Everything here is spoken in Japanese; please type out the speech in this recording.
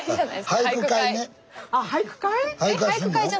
俳句会ね。